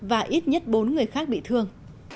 và ít nhất bốn người khác bị thương